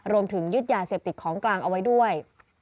รวมถึงยึดยาเสพติดของกลางเอาไว้ด้วย